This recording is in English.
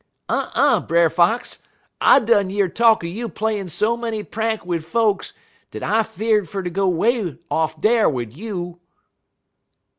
"'Uh uh, Brer Fox! I done year talk er you playin' so many prank wid folks dat I fear'd fer ter go 'way off dar wid you.'